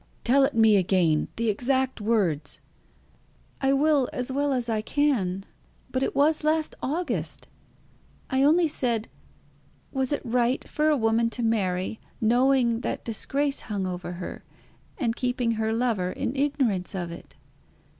"Tell it me again the exact words!" "I will, as well as I can; but it was last August. I only said, 'Was it right for a woman to marry, knowing that disgrace hung over her, and keeping her lover in ignorance of it?'"